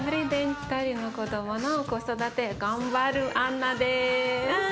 ２人の子どもの子育て頑張るアンナです。